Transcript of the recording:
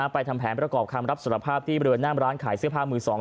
ทำแผนประกอบคำรับสารภาพที่บริเวณหน้ามร้านขายเสื้อผ้ามือสอง